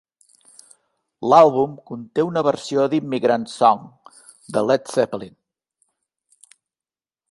L'àlbum conté una versió d'Immigrant Song de Led Zeppelin.